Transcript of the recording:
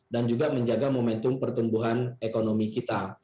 dan juga menjaga momentum pertumbuhan ekonomi kita